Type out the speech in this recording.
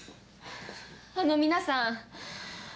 あの皆さん。